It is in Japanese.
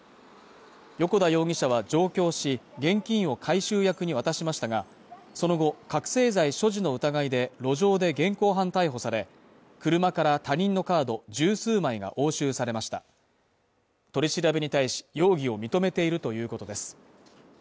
与古田容疑者は上京し現金を回収役に渡しましたがその後覚醒剤所持の疑いで路上で現行犯逮捕され車から他人のカード十数枚が押収されました取り調べに対し容疑を認めているということです